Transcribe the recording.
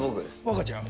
若ちゃん。